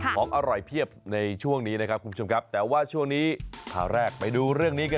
ของอร่อยเพียบในช่วงนี้นะครับคุณผู้ชมครับแต่ว่าช่วงนี้ข่าวแรกไปดูเรื่องนี้กัน